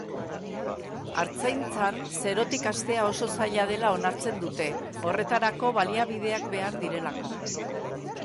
Artzaintzan zerotik hastea oso zaila dela onartzen dute, horretarako baliabideak behar direlako.